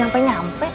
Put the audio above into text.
itu udah gitu mak